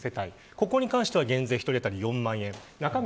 ここに関しては減税１人当たり４万円。